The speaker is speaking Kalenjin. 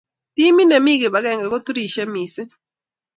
Timit ne mii kibakenge ko turishe mising.